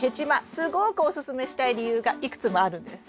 すごくおすすめしたい理由がいくつもあるんです。